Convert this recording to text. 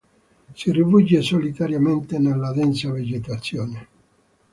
Si rifugia solitariamente nella densa vegetazione.